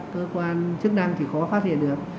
cơ quan chức năng thì khó phát hiện được